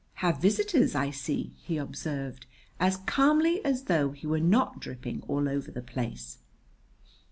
"Have visitors, I see," he observed, as calmly as though he were not dripping all over the place.